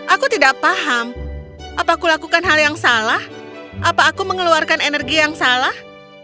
aku tidak paham apa aku lakukan hal yang salah apa aku mengeluarkan energi yang salah